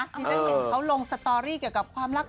ที่ฉันเห็นเขาลงสตอรี่เกี่ยวกับความรัก